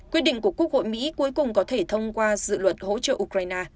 quyết định của quốc hội mỹ cuối cùng có thể thông qua dự luật hỗ trợ ukraine